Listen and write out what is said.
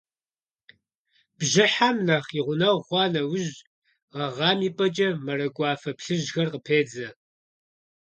Бжьыхьэм нэхъ и гъунэгъу хъуа нэужь, гъэгъам и пӀэкӀэ мэракӀуафэ плъыжьхэр къыпедзэ.